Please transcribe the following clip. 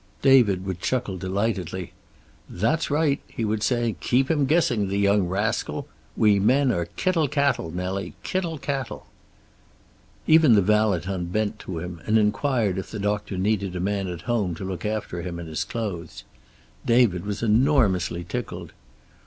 David would chuckle delightedly. "That's right," he would say. "Keep him guessing, the young rascal. We men are kittle cattle, Nellie, kittle cattle!" Even the valet unbent to him, and inquired if the doctor needed a man at home to look after him and his clothes. David was enormously tickled.